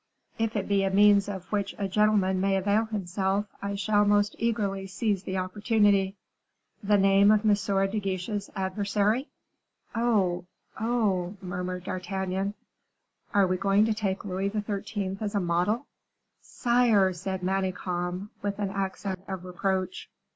"If it be a means of which a gentleman may avail himself, I shall most eagerly seize the opportunity." "The name of M. de Guiche's adversary?" "Oh, oh!" murmured D'Artagnan, "are we going to take Louis XIII. as a model?" "Sire!" said Manicamp, with an accent of reproach.